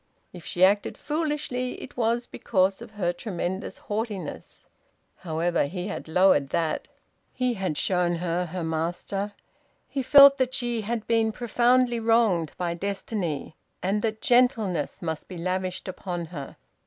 If she acted foolishly it was because of her tremendous haughtiness. However, he had lowered that. He had shown her her master. He felt that she had been profoundly wronged by destiny, and that gentleness must be lavished upon her.